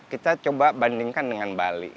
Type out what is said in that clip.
kita coba bandingkan dengan bali